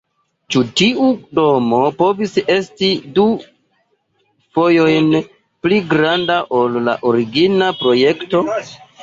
Ĉi tiu domo povis esti du fojojn pli granda ol la origina projekto.